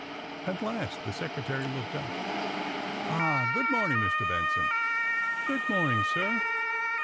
At last the Secretary looked up. "Ah, good morning, Mr. Benson.^'' "Good morning, sir."